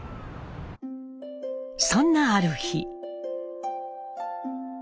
そんなある日。